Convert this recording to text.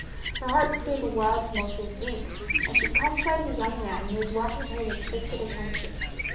Her heart gave a wild tumultuous leap, as she caught sight of a young man who was watching her with fixed attention.